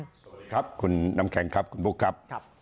สวัสดีครับคุณน้ำแข็งครับคุณบุ๊คครับ